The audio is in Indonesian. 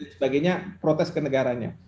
sebagainya protes ke negaranya